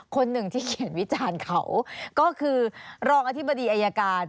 คนหนึ่งที่เขียนวิจารณ์เขาก็คือรองอธิบดีอายการ